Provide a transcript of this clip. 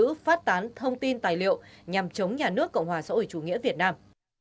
phát tán thông tin tài liệu nhằm chống nhà nước cộng hòa xã hội chủ nghĩa việt nam